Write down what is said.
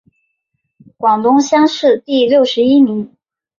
广东乡试第六十一名。